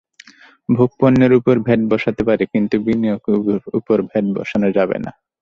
ভোগ্যপণ্যের ওপর ভ্যাট বসতে পারে, কিন্তু বিনিয়োগের ওপর ভ্যাট বসানো যাবে না।